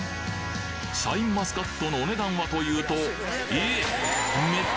シャインマスカットのお値段はと言うとえっ！